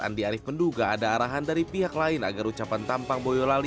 andi arief menduga ada arahan dari pihak lain agar ucapan tampang boyolali